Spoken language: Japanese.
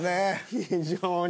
非常に。